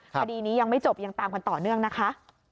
คดีนี้ยังไม่จบยังตามกันต่อเนื่องนะคะ